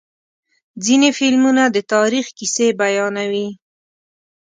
ځینې فلمونه د تاریخ کیسې بیانوي.